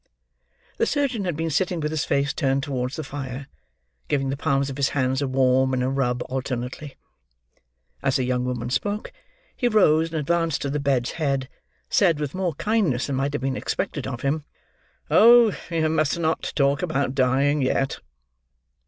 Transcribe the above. The surgeon had been sitting with his face turned towards the fire: giving the palms of his hands a warm and a rub alternately. As the young woman spoke, he rose, and advancing to the bed's head, said, with more kindness than might have been expected of him: "Oh, you must not talk about dying yet."